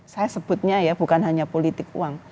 saya sebutnya ya bukan hanya politik uang